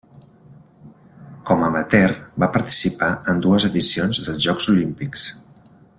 Com amateur va participar en dues edicions dels Jocs Olímpics.